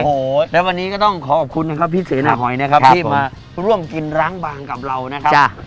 โอ้โหแล้ววันนี้ก็ต้องขอขอบคุณนะครับพี่เสนาหอยนะครับที่มาร่วมกินล้างบางกับเรานะครับ